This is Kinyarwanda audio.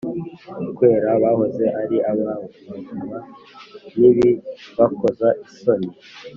Kwera bahoze ari abawe bavunwa n ibibakoza isoni